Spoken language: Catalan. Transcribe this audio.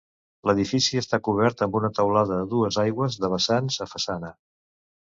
L'edifici està cobert amb una teulada a dues aigües de vessants a façana.